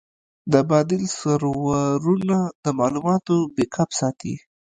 د بادل سرورونه د معلوماتو بیک اپ ساتي.